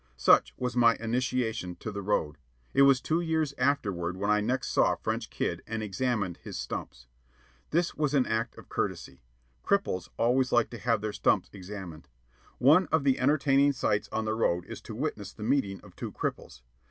Such was my initiation to The Road. It was two years afterward when I next saw French Kid and examined his "stumps." This was an act of courtesy. "Cripples" always like to have their stumps examined. One of the entertaining sights on The Road is to witness the meeting of two cripples.